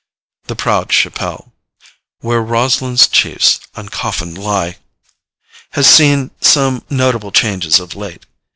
That 'proud chapelle,' ' where Roslyn's chiefs uncoffined lie,' has seen some notable changes of late.